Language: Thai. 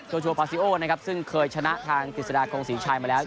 ตอโชเพาเซโอนะครับซึ่งเคยชนะทางกริจศาตร์โครงศรีชายมาแล้ว